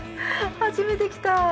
初めて来た。